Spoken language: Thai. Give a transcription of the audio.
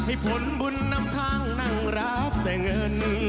ผลบุญนำทางนั่งรับแต่เงิน